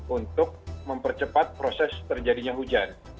untuk mempercepat proses terjadinya hujan